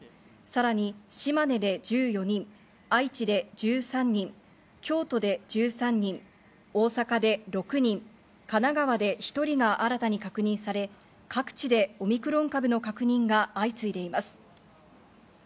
さらに島根で１４人、愛知で１３人、京都で１３人、大阪で６人、神奈川で１人が新たに確認され、各地でオミクロン株の確認が相次いでいます。